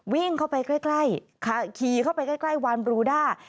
วิ่งเข้าไปใกล้ขี่เข้าไปใกล้วานบรูด้า